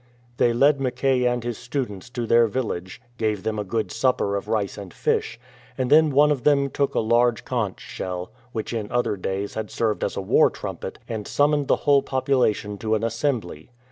They led Mackay and his students to their village, gave them a good supper of rice and fish, and then one of them took a large conch shell, which in other days had served as a war trumpet, and summoned the whole popu lation to an assembly.